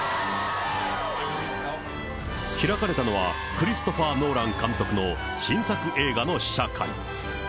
開かれたのは、クリストファー・ノーラン監督の新作映画の試写会。